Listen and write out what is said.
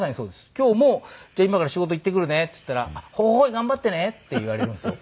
今日も「じゃあ今から仕事行ってくるね」っつったら「ホホホイ頑張ってね」って言われるんですよ。